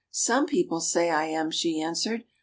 " Some people say I am," she answered.